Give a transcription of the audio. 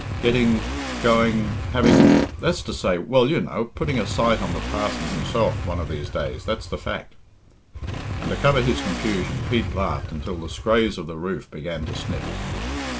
"Getting going having that's to say well, you know, putting a sight on the parson himself one of these days, that's the fact." And, to cover his confusion, Pete laughed till the scraas of the roof began to snip.